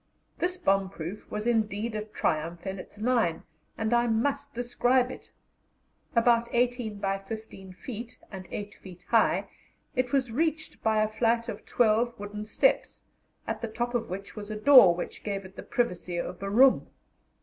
This bomb proof was indeed a triumph in its line, and I must describe it. About 18 by 15 feet, and 8 feet high, it was reached by a flight of twelve wooden steps, at the top of which was a door that gave it the privacy of a room.